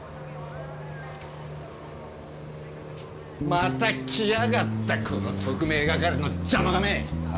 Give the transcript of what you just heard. また来やがったこの特命係のジャマ亀！